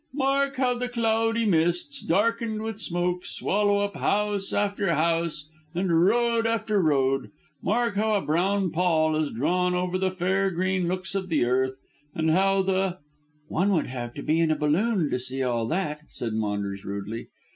"Mark how the cloudy mists, darkened with smoke, swallow up house after house and road after road; mark how a brown pall is drawn over the fair green looks of earth and how the " "One would have to be in a balloon to see all that," said Maunders rudely.